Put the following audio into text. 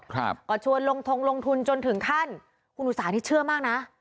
ครับก็ชวนลงทงลงทุนจนถึงขั้นคุณอุตสาหนี้เชื่อมากนะ